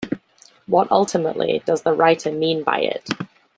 What, ultimately, does the writer mean by it?